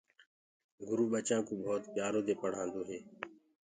گُرو ٻچآنٚ ڪوُ ڀوت پيآرو دي پڙهآندو هي۔